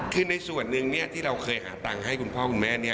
คือในส่วนหนึ่งที่เราเคยหาตังค์ให้คุณพ่อคุณแม่นี้